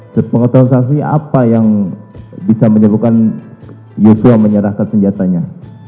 sebagai pengetahuan saksi apa yang bisa menyebutkan yusuf menyerahkan senjatanya